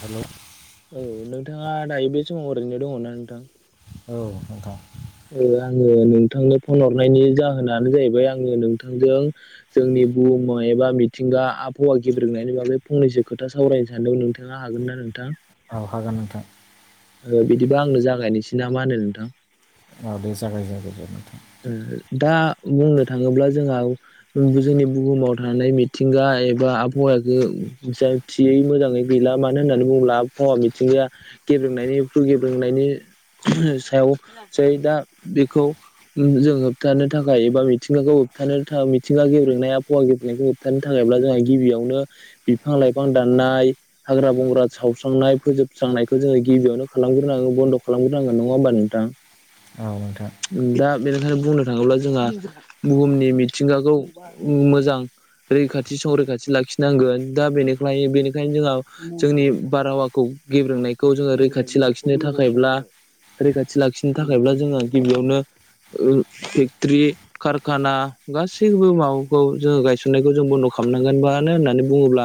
हेल' औ नोंथाङा दायो बे समाव ओरैनो दङना नोंथां। औ नोंथां। आङो नोंथांनो फन हरनायनि जाहोनानो जाहैबाय आङो नोंथांजों। जोंनि बुहुम एबा मिथिंगा आबहावा गेब्रेनायनि बागै फंनैसो खोथा सावरायनो सानदोंमोन नोंथाङा ा हागोन ना नोंथां। औ हागोना नोंथां। बिदिबा आंनो जागायनोसै ना मा होनो नोंथां? औ दे जागाय जेनदो दे। दा बुंनो थाङोब्ला जोंहा जोंनि बुहुमाव थानाय मिथिंगा एबा आबहावखौ जाय थियै मोजाङै गैला मानो होननानै बुङोब्ला फावा मिथिंगाया गेब्रेनायनि फु गेब्रेनायनि सायाव जै दा बेखौ जों होबथानो थाखाय एबा मिथिंगाखौ होबथानो थाखाय मिथिंगा गेब्रेंनाय आफावा गेबेंनायखौ खिथानो थाखायब्ला जोंहा गिबियावनो बिफां-लाइफां दाननाय हाग्रा बंग्रा सावस्रांनाय फोजोबस्रांनायखौ जोङो गिबियावनो खालामग्रोनांगोन बन्द' खालामग्रोनांग नङा होमबा नोंथां? [inaudible] औ नोंथां। दा बेनिखायनो बुंनो थाङोब्ला जोंहा बुहुमनि मिथिंगाखौ मोजां। रैखाथि संरैखाथि लाखिनांगोन दा बेनिखायनो बेनिखायनो जोंहा जोंनि बारहावाखौ गेब्रेनायखौ जोङो रैखाथि लाखिनो थाखायब्ला। रैखाथि लाखिनो थाखायब्ला जोंहा गिबियावनो फेक्ट्रि कारखाना गासैबो माबाखौ जोङो गायसननायखौ जों बन्द' खालामनांगोन मानो होननानै बुङोब्ला।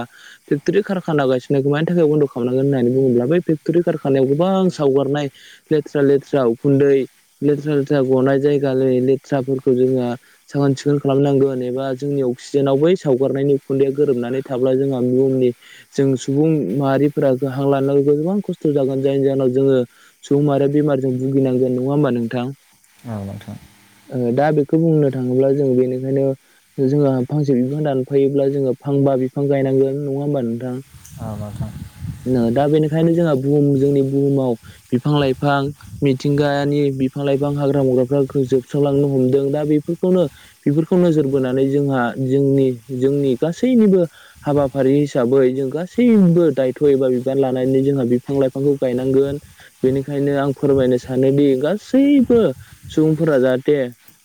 फेक्ट'रि कारखाना गायसननायखौ मानि थाखाय बन्द' खालामनांगोन होननानै बुङोब्ला बै फेक्ट'रि कारखानायाव गोबां सावगारनाय। लेथ्रा लेथ्रा उखुन्दै लेथ्रा लेथ्रा गनाय जायगाों लेथ्राफोरखौ जोङो साखोन सिखोन खालामनांगोन एबा जोंनि अक्सिजेनाव बै सावगारनायनि उखुन्दैया गोरोबनानै थाब्ला जोंहा बहुमनि जों सुबुं माहारिफोरा गोाहां लानांगौ गोबां खस्थ' जागोन जायनि जाहोनाव जोङो। सम आरो बेमारजों भुगिनांगोन नङा होनबा नोंथां औ नोंथां। ओ दा बेखौ बुंनो थाङोब्ला जों बेनिखायनो। जोंहा फांसे बिफां दानफायोब्ला जोङो फांबा बिफां गायनांगोन नङा होमबा नोंथां। [unintelligible] दा बेनिखायनो जोंहा बुहुम जोंनि बुहुमाव बिफां लाइफां मिथिंगानि बिफां लाइफां हाग्रा मुग्रा। जोबस्रांलांनो हमदों दा बेफोरखौनो बेफोरखौ नोजोर बोनानै जोंहा जोंनि जोंनि गासैनिबो। हाबाफारि हिसाबै जों गासैबो दायथ' एबा बिबान लानानै जोंहा बिफां लाइफांखौ गायनांगोन। बेनिखायनो आं फोरमायनो सानोदि गासैबो सुबुंफोरा जाहाथे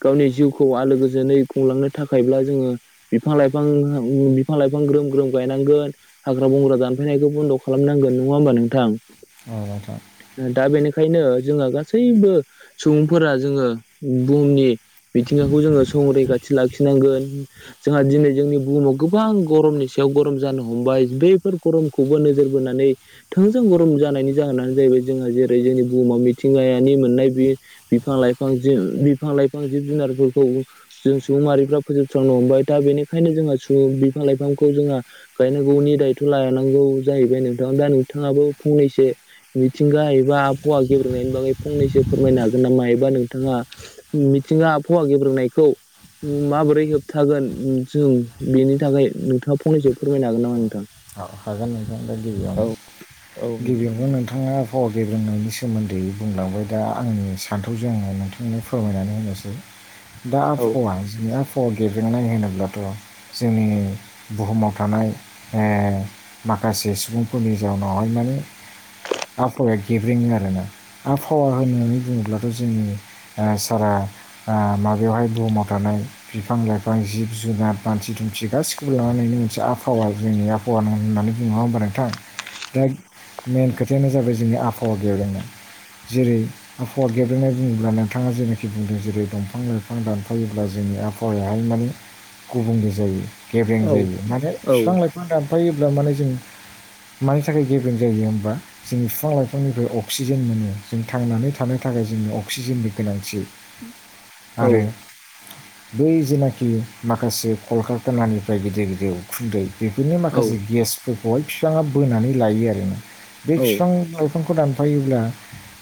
गावनि जिउखौ आलो गोजोनै खुंलांनो थाखायब्ला जोङो। बिफां लाइफां बिफां लाइफां ग्रोम ग्रोम गायनांगोन। हाग्रा बंग्रा दानफैनायखौ बनद' खालामनांगोन नङा होमबा नोंथां? औ नोंथां। दा बेनिखायनो जोंहा गासैबो सुबुंफोरा। जोङो बुहुमनि मिथिंगाखौ जोङो संरैखाथि लाखिनांगोन‌। जोंहा दिनै जोंनि बुहुमाव गोबां गरमनि सायाव गरम जानो हमबाय बैफोर गरमखौबो नोजोर बोनानै। थोंजों गरम जानायनि जाहोनानो जाहैबाय जोंहा जेरै जोंनि बुहुमाव मिथिंगायानि मोननाय बे बिफां लाइफां बिफां लाइफां जिब जुनारफोरखौ जों सुबुं माहारिफ्रा फोजोबस्रांनो हमबाय दा बेनिखायनो जोंहा बिफां लाइफांखौ जोंहा। गायनांगौनि दायथ' लानांगौ जाहैबाय नोंथां दा नोंथाङाबो फंनैसो। मिथिंगा एबा आबहावा गेब्रेंनायनि बागै फंनैसो फोरमायनो हागोन नामा हायोबा नों नाङा मिथिंगा आबहावा गेब्रोंनायखौ। माबोरै होबथागोन जों बेनि थाखाय नोंथाङा फंनैसो फोरमायनो हागोन नामा नोंथां। हागोन नोंथां दा औ औ गिबियावनो नोंथां गिबियावनो नोंथाङा। बार गेब्रोंनायनि सोमोनदै बुंलांबाय दा आंनि सान्थौजों आङो नोंथांमोननो फोरमायनानै होनोसै। [inaudible] दा आबहावा जोंबहावा गेबेंनाय होनोब्लाथ' जोंनि बुहुमाव थानाय ओ माखासे सुबुंफोरनि जाउनावहाय माने आबहावाया गेब्रेङो आरोना आबहावा होननानै बुङोब्लाथ' जोंनि ओ सारा माबायावहाय ओ बुहुमाव थानाय बिफां लाइफां जिब जुनार मानथि दुमसि गाससिखौबो लानानैनो मोनसे आबहावाय जोंनि आबहावा नं होननानै बुङो नङा होनबा नोंथां? दा मेन खोथायानो जाबाय जोंनि आबहावा गेब्रेंनाय जेरै आफहाद गेंब्रेंनाय बुङोब्ला नोंथाङा जेनाखि बुंदों जेरै दंफां लाइफां दानफायोब्ला जोंनि फरायहाय माने गुबुंले जायो गेब्रें औ जायो नाथाय औ बिफां लाइफां बिफां दानफायोब्ला माने जों मानि थाखाय गेब्रें जायो होनबा जोंनि बिफां लाइफांनिफ्राय अक्सिजेन मोनो जों थांनानै थानो थाखाय जों अक्सिजेननि गोनांथि औ आरो बै जेनाखि माखासे कल कारखानानिफ्राय गिदिर गिदिर उखुन्दै बेफोरनि माखासे गेसफोरखौहाय बिफाङा बोनानै लायो आरोना बे बिफां बिफांखौ दानफायोब्ला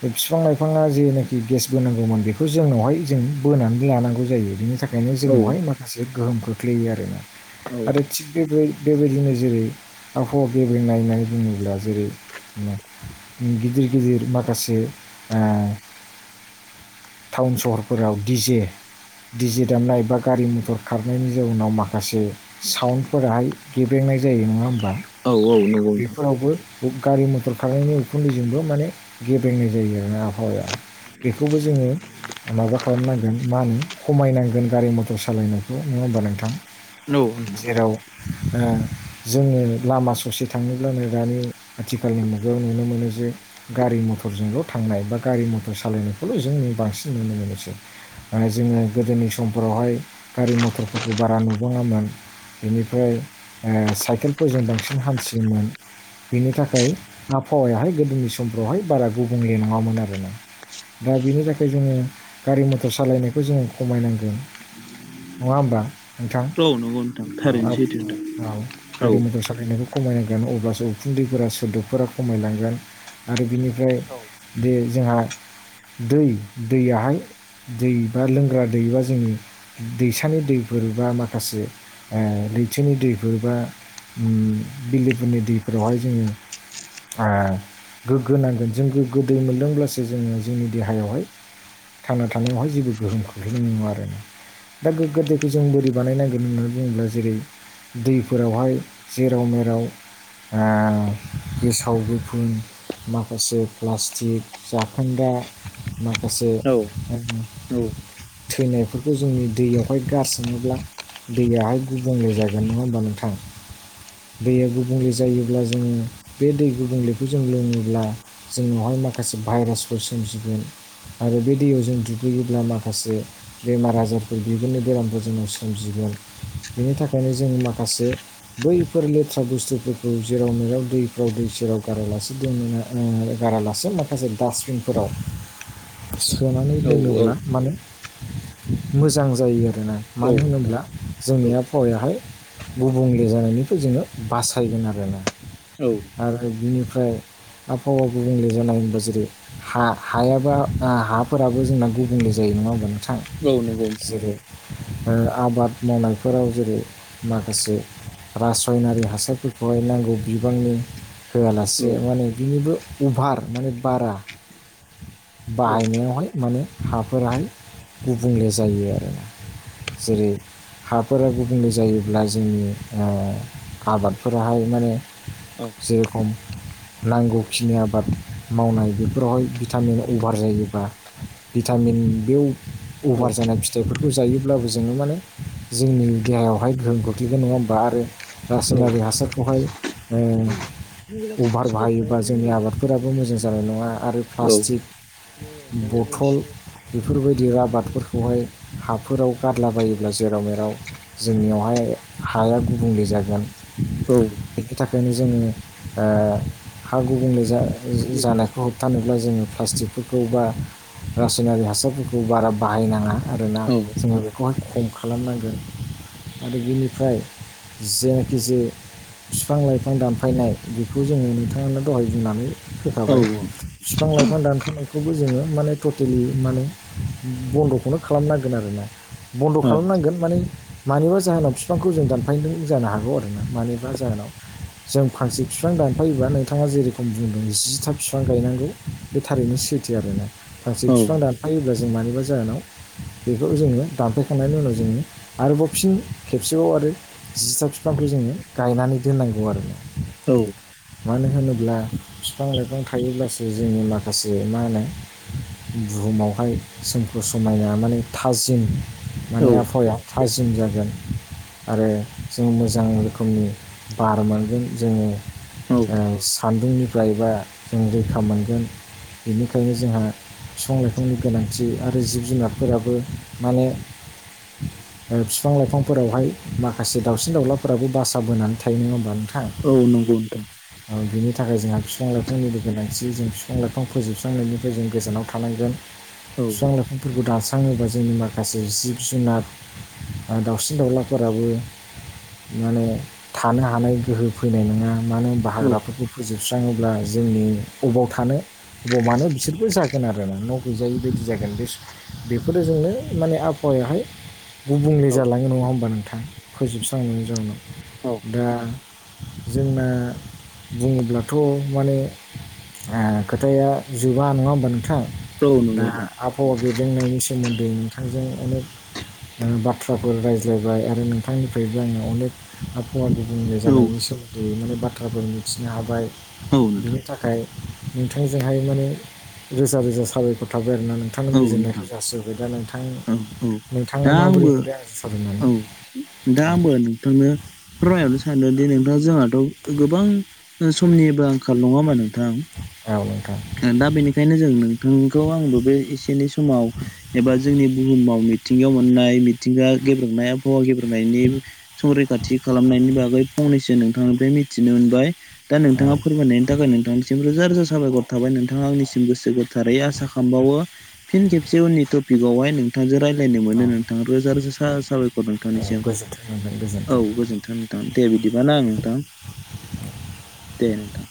बे बिफां लाइफाङा जेनाखि गेस बोनांगौमोन बेखौ जोंनावहाय जों बोनानै लानांगौ जायो बेनि थाखाय बेनो जोंनावहाय माखासे गोहोम खोख्लैयो आरोना आरो थिग बेबो बेबायदिनो जेरै आबहावा गेब्रेंनाय होननानै बुङोब्ला जेरै गिदिर गिदिर माखासे ओ टाउन सहरफोराव डि जे डिजे दामनाय बा गारि मथर खारनायनि जाउनाव माखासे साउन्दफोराहाय गेब्रेंनाय जायो नङा होमबा औ नंगौ नोंथां औ नोंथां बेफोरावबो बे गारि मथर खालामनायनि उखुन्दैजोंबो माने गेब्रेंनाय जायो आरो ना आबहावाया। बेखौबो जोङो माबा खालामनांगोन मा होनो खमायनांगोन गारि मथर सालायनायखौ नङा होमबा नोंथां? औ जेराव ओ जोङो लामा ससे थाङोब्लानो दानि आथिखालनि मुगायाव नुनो मोनो जे गारि मथरजोंल' थांनाय बा गारि मथर सालायनायखौल' जों बांसिन नुनो मोनोसै। जोङो गोदोनि समफोरावहाय गारि मथरफोरखौ बारा नुुबाङामोन बेनिफ्राय ओमफ्राय ओ साइकेलफोरजों बांसिन हानथियोमोन। बेनि थाखाय आबहावायाहाय गोदोनि समफ्रावहाय बारा गुबुंले नङामोन आरो। दा बेनि थाखाय जोङो गारि मथर सालायनायखौ जोङो खमायनांगोन। नङा होमबा? औ नंगौ नोंथां थारैनोसै औ गारि मथर सालायनायखौ खमायनांगोन अब्लासो उखुन्दैफोरा सोदोबफोरा खमायलांगोन आरो बिनिफ्राय औ बे जोंहा दै दैयाहाय दै बा लोंग्रा दैबा जोंनि दैसानि दैफोर बा माखासे ओ लैथोनि दैफोर बा बिलोफोरनि दैफोरावहाय जोङो ओ गोग्गो नांगोन जों गोग्गो दै मोनदोंब्लासो जोङो जोंनि देहायावहाय थांना थानायावहाय जेबो गोहोम खोख्लैनाय नङा आरो ना। दा गोगो दैखौ जों बोरै बानायनांगोन होननानै बुङोब्ला जेरै दैफोरावहाय जेराव मेराव ओ गेसाव गोफुन माखासे प्लास्टिक जाखोनद्रा माखासे औ थैनायफोरखौ जोंनि दैयावहाय गारसनोब्ला दैयाहाय गुबुंले जागोन। जागोन नङा होमबा नोंथां? दैया गुबुंले जायोब्ला जोङो बे दै गुबुंलेखौ जों लोङोब्ला जोंनावहाय माखासे भाइरासफोर सोमजिगोन। आरो बे दैयाव जों दुगैयोब्ला माखासे बेमार आजारफोर बेफोरनि बेरामखौ जोङो सोमजिगोन बेनि थाखायनो जोङो माखासे बैफोर लेथ्रा बुस्थुफोरखौ जेराव मेराव दैफ्राव दै सेराव गारालासे दोननो नाङो गारालासे माखासे डास्टबिनफोराव सोनानै औ दोनोब्ला माने मोजां जायो आरोना मानो नोंथां होनोब्ला औ जोंनि आ बहावायाहाय गुबुंले जानायनिफ्राय जोङो बासायगोन आरोना औ आरो बिनिफ्राय आबहावा गुबुंले जानाय होनबा जेरै हा हायाबो आ हाफोराबो जोंना गुबुंले जायो नङा होमबा नोंथां नंगौ नोंथां जेरै ओ आबाद मावनायफोराव जेरै माखासे रासयनारि हासारफोरखौहाय नांगौ बिबांनि औ होआलासे माने बिनिबो अभार माने बारा बाहायनायावहाय माने हाफोराहाय गुबुंले जायो आरोना जेरै फोरा गुबुंले जायोब्ला जोंनि ओ आबादफोराहाय माने जे रखम नांगौखिनि आबाद मावनाय बेफोरावहाय भिटामिन अभार जायोबा भिटामिन बेयाव औ अभार जानाय फिथाइफोरखौ जायोब्लाबो जोङो माने जोंनि देहायावहाय गोहोम खोख्लैबाय नङा होमबा आरो औ रासायनारि हासारखौहाय औ औ अभार बाहायोबा जोंनि आबादफोराबो मोजां जानाय नङा आरो प्लास्टिक बथल बेफोरबायदि आबादफोरखौहाय हाफोराव गारलाबायोब्ला जेराव ाव जोंनियावहाय हाया गुबुंले जागोन औ बिनि थाखायनो जोङो ओ हा गुबुंले जा जानायखौ होबथानोब्ला जोङो प्लास्टिकफोरखौ बा रासयनारि हासारफोरखौ बारा बाहायनाङा आरोना जोङो बेखौहाय खम खालामनांगौ। आरो बिनिफ्राय जेनाखि जे फिफां लाइफां दानफायनाय बेखौ जोङो नोंथाङानो दहाय बुंनानै औ फैखाबाय फिफां लाइफां दानफायनायखौबो जोङो माने टटेलि माने बन्द'खौनो खालामनांगोन आरोना बन्द' खालामनांगोन माने मानिबा जाहोनाव बिफांखौ जों दानफायदों जानो हागौ आरो ना मानिबा जाहोनाव जों फांसे बिफां दानफायोबा नोंथाङा जेरेखम बुंदों जिथा बििफां गायनांगौ बे थारैनो सैथो आरोना माखासे बिफां औ दानफायोब्ला जों मानिबा जाहोनाव बेखौ जोङो दानफायखांनायनि उनाव जोङो आरोबाव फिन खेबसेबाव आरो जिथा बिफांखौ जोङो गायनानै दोननांगौ आरो औ मानो होनोब्ला बिफां लाइफां थायोब्लासो जोंनि माखासे मा होनो बुहुमावहाय सोमख समायना माने थाजिम माने आबहावाया थाजिम जागोन आरो जों मोजां रोखोमनि बार मोनगोन जोङो सान्दुंनिफ्रायबा जों रैखा मोनगोन बेनिखायनो जोंहा बिफां लाइफांनि गोनांथि आरो जिब जुनारफोराबो माने बिफां लाइफांफोरावहाय माखासे दाउसिन दाउलाफोराबो बा बोनानै थायो नङा होमबा नोंथाङा औ नंगौ नोंथां बिनि थाखाय जोंहा बिफां लाइफांनि गोनांथि जों बिफां लाइफां फोजोबस्रांनायनिफ्राय जों गोजानाव थानांगोन औ बिफां लाइफांफोरखौ दानस्राङोबा जोंनि माखासे जिब जुनार आरो दाउसि्रिन दाउलाफोराबो माने थानो हानाय गोहो फैनाय नङा मानो होना औ हाग्राफोरखौ फोजोबस्राङोब्ला जोंनि अबाव थानो अबाव मानो बिसोरबो जागोन आरोोना न' गैजायि बायदि जागोन बे बेफोरो जोंनो माने आबहावायावाहाय गुबुंले औ जालाङो नङा होमबा नोंथाङाोजोबस्रांनायनि जाउनाव दा जोंना बुङोब्लाथ' माने खोथाया जोबा नङा होमबा नोंथां औ दा नंगौ नोंथां आबहावा बेदेनायनि सोमोन्दै नोंथांजों अनेक बाथ्राफोर रायज्लायबाय आरो नोंथांनिफ्रायबो आङो अनेक आबहावा गुबुंले औ जानायनि सोमोन्दै माने बाथ्राफोर मिथिनो हाबाय औ बिनि नोंथां थाखाय नोंथांजोंहाय माने रोजा रोजा साबायख थाबाय आरोना नोंथांनि औ नोंथां। गोजोननायखौ जासोबबाय दा नोंथां औ औ नोंथाङा दा माबोरै आंबो मोनदों आंजों सावरायनानै औ दा आंबो नोंथांनो फोरमायरनो सानदों दि नोंथाङा जोंहाथ' गोबां समनिबो आंखाल नङा मानो नोंथां औ नोंथां दा बेनिखायनो जों नोंथांखौ आंबो बे एसे एनै समाव एबा जोंनि बुहुमाव मिथिंगायाव मोननाय मिथिंगा गेब्रुंनाय आबहावा गेब्रेंनायनि संरैखाथि खालामनायनि बागै फंनैसो नोंथांनिफ्राय मिथिनो मोनबाय दा औ नोंथाङा फोरमायनायनि थाखाय नोंथां सिम रोजा रोजा साबायखर थाबाय नोंथाङा आंनिसिम गोसो गोथारै आसा खालामबावो फिन खेबसे उननि टपिकावहाय नोंथांजों रायज्लायनो औ मोनो नोंथाङा रोजा रोजा सा साबायखर औ नोंथांनिसिम गोजोन्थों नोंथां औ गोजोन्थों गोजोन्थों नोंथां दे बिदिबा ना आं नोंथां दे नोंथां